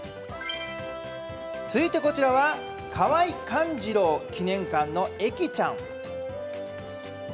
続いてこちらは河井寛次郎記念館の、えきちゃん。